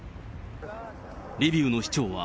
リビウの市長は、